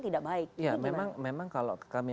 tidak baik memang kalau kami